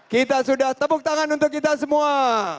kita sudah tepuk tangan untuk kita semua